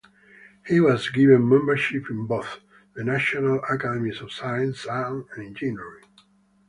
He was given membership in both the National Academies of Sciences and Engineering.